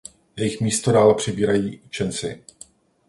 Jejich místo dále přebírají učenci.